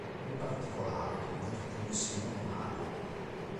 In particolare, convertì Simone Mago.